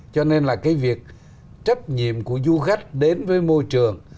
cho nên là cái việc trách nhiệm của du khách đến với môi trường